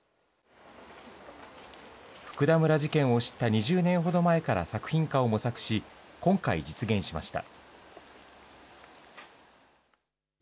福田村事件を知った２０年ほど前から作品化を模索し、今回、実現しました。